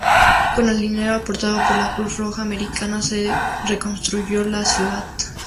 Con el dinero aportado por la Cruz Roja Americana, se reconstruyó la ciudad.